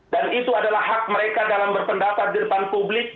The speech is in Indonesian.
dan itu adalah hak mereka dalam berpendapat di depan publik